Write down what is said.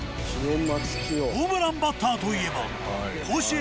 ホームランバッターといえば甲子園